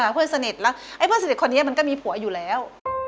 เพื่อนสนิทแล้วไอ้เพื่อนสนิทคนนี้มันก็มีผัวอยู่แล้ว